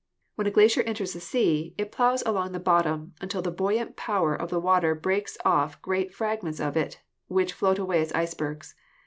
When a glacier enters the sea it plows along the bottom until the buoyant power of the water breaks off great fragments of it, which float away as icebergs.